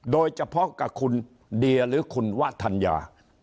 โดยเฉพาะกับคุณเดียหรือคุณวะธัญญา